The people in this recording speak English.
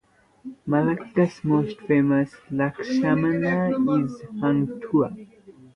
Malacca's most famous Laksamana is Hang Tuah.